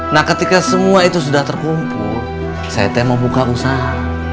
nah ketika semua itu sudah terkumpul saya teh membuka usaha